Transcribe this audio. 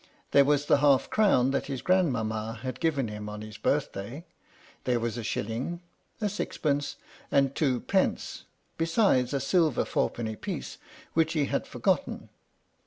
There was the half crown that his grandmamma had given him on his birthday, there was a shilling, a sixpence, and two pence, besides a silver fourpenny piece which he had forgotten.